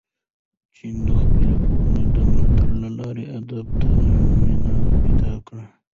جین د خپلې کورنۍ د ملاتړ له لارې ادب ته مینه پیدا کړه.